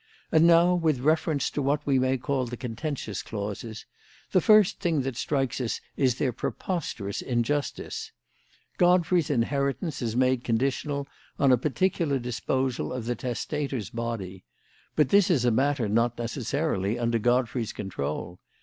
"And now with reference to what we may call the contentious clauses: the first thing that strikes us is their preposterous injustice. Godfrey's inheritance is made conditional on a particular disposal of the testator's body. But this is a matter not necessarily under Godfrey's control.